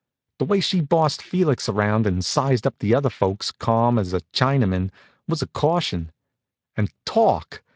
The way she bossed Felix around, and sized up the other folks, calm as a Chinaman, was a caution. And talk!